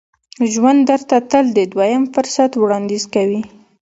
ژوند درته تل د دوهم فرصت وړاندیز کوي.